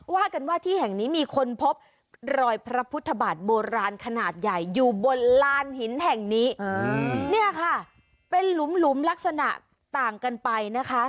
ว่ากันว่าที่แห่งนี้มีคนพบรอยพระพุทธบาทโบราณขนาดใหญ่อยู่บนลานหินแห่งนี้เนี่ยค่ะเป็นหลุมหลุมลักษณะต่างกันไปนะคะ